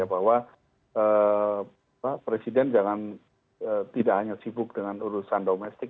bahwa presiden jangan tidak hanya sibuk dengan urusan domestik